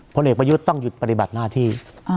ผลเอกประยุทธ์ต้องหยุดปฏิบัติหน้าที่